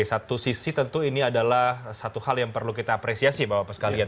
satu sisi tentu ini adalah satu hal yang perlu kita apresiasi bapak bapak sekalian